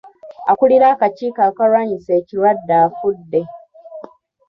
Akulira akakiiko akalwanyisa ekirwadde afudde.